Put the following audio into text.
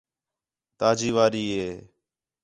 تا جی واری ہے